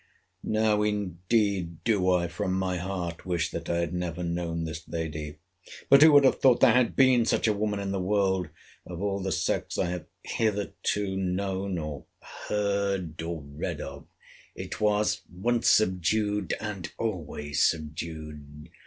Now indeed do I from my heart wish that I had never known this lady. But who would have thought there had been such a woman in the world? Of all the sex I have hitherto known, or heard, or read of, it was once subdued, and always subdued.